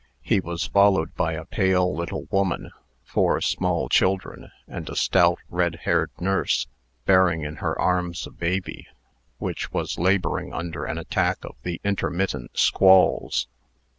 He was followed by a pale little woman, four small children, and a stout, red haired nurse, bearing in her arms a baby, which was laboring under an attack of the intermittent squalls.